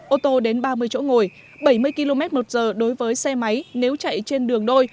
ô tô đến ba mươi chỗ ngồi bảy mươi km một giờ đối với xe máy nếu chạy trên đường đôi